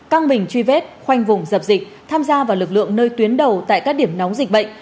căng mình truy vết khoanh vùng dập dịch tham gia vào lực lượng nơi tuyến đầu tại các điểm nóng dịch bệnh